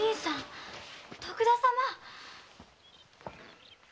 徳田様！